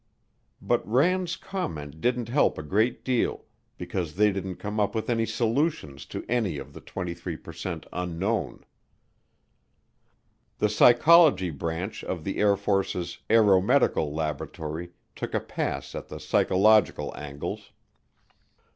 But Rand's comment didn't help a great deal because they didn't come up with any solutions to any of the 23 per cent unknown. The Psychology Branch of the Air Force's Aeromedical Laboratory took a pass at the psychological angles.